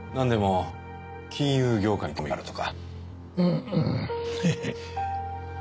なんでも金融業界に興味があるとか。